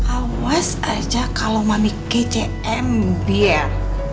awas aja kalau mami kece mbiar